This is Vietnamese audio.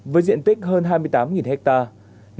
với diện tích hơn hai mươi tám hectare